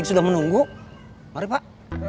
sudah menunggu mari pak